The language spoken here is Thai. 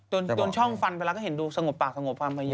จนช่องฟันไปแล้วก็เห็นดูสงบปากสงบฟันไปเยอะ